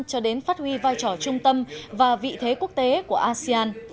cho đến phát huy vai trò trung tâm và vị thế quốc tế của asean